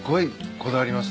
こだわります。